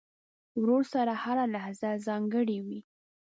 ورور سره هره لحظه ځانګړې وي.